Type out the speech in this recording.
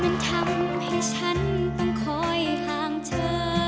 มันทำให้ฉันต้องคอยคลางเธอ